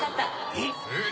えっ。